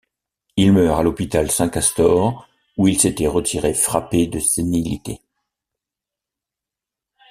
Il meurt à l'hôpital Saint-Castor où il s'était retiré frappé de sénilité.